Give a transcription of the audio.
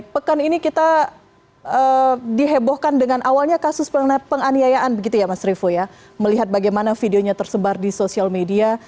pekan ini kita dihebohkan dengan awalnya kasus penganiayaan begitu ya mas revo ya melihat bagaimana videonya tersebar di sosial media